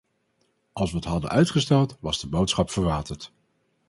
Als we het hadden uitgesteld, was de boodschap verwaterd.